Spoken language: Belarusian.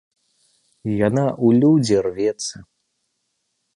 Яна ў людзі рвецца.